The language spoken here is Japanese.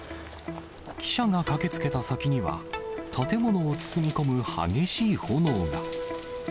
記者が駆けつけた先には、建物を包み込む激しい炎が。